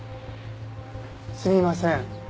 すみません。